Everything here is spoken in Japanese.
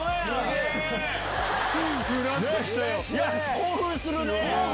興奮するね！